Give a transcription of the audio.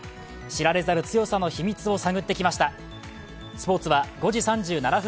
知られざる強さの秘密を探ってきました。